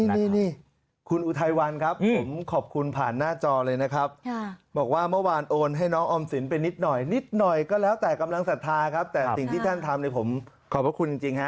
นี่คุณอุทัยวันครับผมขอบคุณผ่านหน้าจอเลยนะครับบอกว่าเมื่อวานโอนให้น้องออมสินไปนิดหน่อยนิดหน่อยก็แล้วแต่กำลังศรัทธาครับแต่สิ่งที่ท่านทำเนี่ยผมขอบพระคุณจริงฮะ